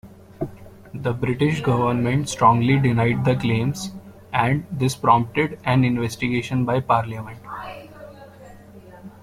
The British Government strongly denied the claims and this prompted an investigation by Parliament.